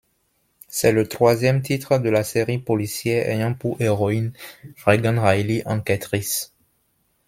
C'est le troisième titre de la série policière ayant pour héroïne Regan Reilly, enquêtrice.